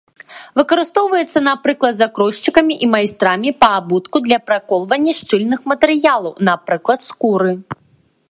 Выкарыстоўваецца, напрыклад, закройшчыкамі і майстрамі па абутку для праколвання шчыльных матэрыялаў, напрыклад, скуры.